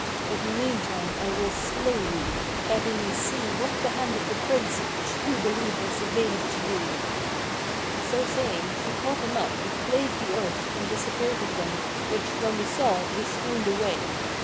But meantime I will slay thee, that we may see what the hand of the Prince of True Believers availeth to do.' So saying, she caught him up and clave the earth and disappeared with him which when we saw, we swooned away.